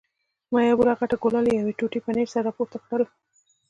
ما یوه بله غټه ګوله له یوې ټوټې پنیر سره راپورته کړل.